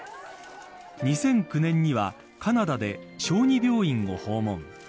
２００９年には、カナダで小児病院を訪問。